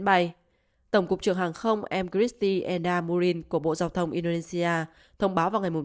bay tổng cục trưởng hàng không mgristi enda murin của bộ giao thông indonesia thông báo vào ngày chín